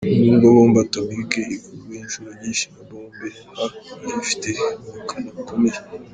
Nubwo Bombe atomique ikubwe inshuro nyinshi na Bombe H nayo ifite ubukana bukomeye.